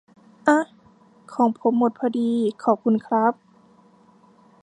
อ๊ะ ของผมหมดพอดี ขอบคุณครับ